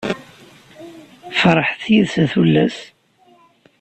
Ferḥet yid-s, a tullas!